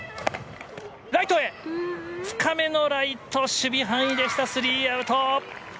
ライトへ、深めのライト守備範囲でした３アウト。